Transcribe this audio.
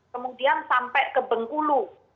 kemudian sampai ke bengkulu